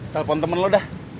telepon temen lu dah